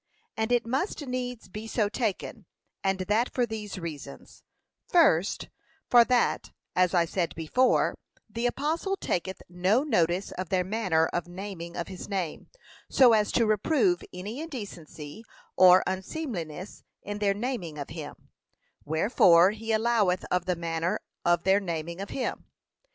And it must needs be so taken, and that for these reasons: First, For that, as I said before, the apostle taketh no notice of their manner of naming of his name, so as to reprove any indecency or unseemliness in their naming of him; wherefore he alloweth of the manner of their naming of him.